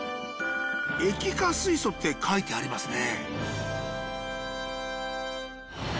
液化水素って書いてありますね